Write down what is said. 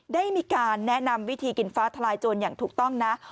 ได้มีการแนะนำวิธีกินฟ้าทลายโจรอย่างถูกต้องนะ